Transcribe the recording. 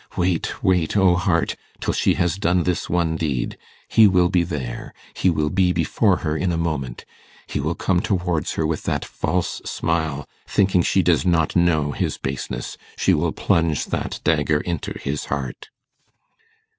Wait, wait, O heart! till she has done this one deed. He will be there he will be before her in a moment. He will come towards her with that false smile, thinking she does not know his baseness she will plunge that dagger into his heart.